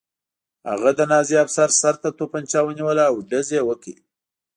هغه د نازي افسر سر ته توپانچه ونیوله او ډز یې وکړ